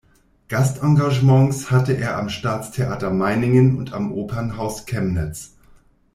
Gastengagements hatte er am Staatstheater Meiningen und am Opernhaus Chemnitz.